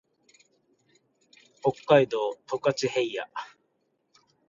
北海道十勝平野